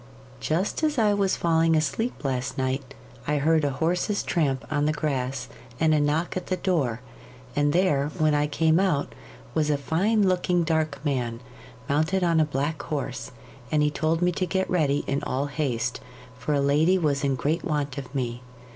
'Just as I was falling asleep last night, I heard a horse's tramp on the grass and a knock at the door, and there, when I came out, was a fine looking dark man, mounted on a black horse, and he told me to get ready in all haste, for a lady was in great want of me.